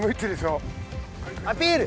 アピール！